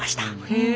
へえ。